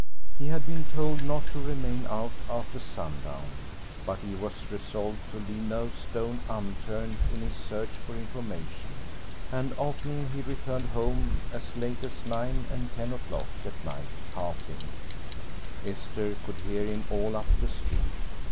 He had been told not to remain out after sundown, but he was resolved to leave no stone unturned in his search for information, and often he returned home as late as nine and ten o'clock at night coughing Esther could hear him all up the street.